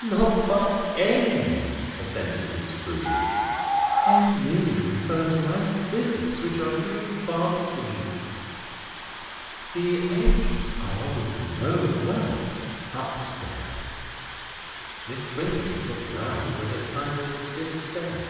"Not by any means," assented Mr. Grewgious. "I merely refer to my visits, which are few and far between. The angels are, we know very well, up stairs." Miss Twinkleton looked round with a kind of stiff stare.